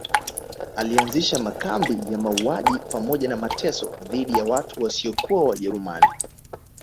Alianzisha makambi ya mauaji pamoja na mateso dhidi ya watu wasiokuwa wajerumani